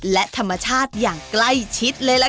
และธรรมชาติอย่างใกล้ชิดเลยล่ะค่ะ